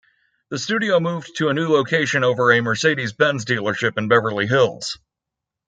The studio moved to a new location over a Mercedes-Benz dealership in Beverly Hills.